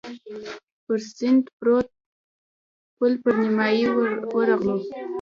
پر سیند پروت پل تر نیمايي ورغلو.